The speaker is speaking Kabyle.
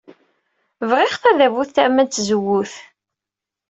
Bɣiɣ tadabut tama n tzewwut.